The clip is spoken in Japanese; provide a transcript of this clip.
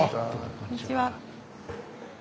こんにちは。